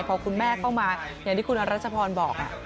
พอคุณแม่เข้ามาอย่างที่คุณรัชพรบอก